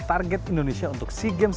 target indonesia untuk sea games